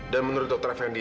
dan menurut dokter effendi